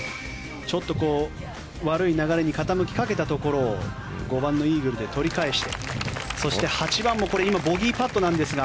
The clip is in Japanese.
ちょっと悪い流れに傾きかけたところを５番のイーグルで取り返してそして８番も今、ボギーパットなんですが。